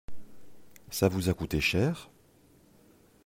Ça vous a coûté cher.